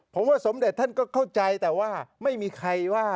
ผมว่าสมเด็จท่านก็เข้าใจแต่ว่าไม่มีใครว่า